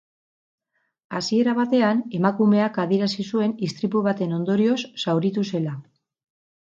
Hasiera batean, emakumeak adierazi zuen istripu baten ondorioz zauritu zela.